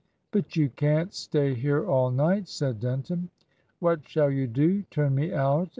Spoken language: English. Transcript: "But you can't stay here all night," said Denton. "What shall you do turn me out?"